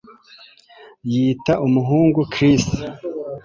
Yita umuhungu Chris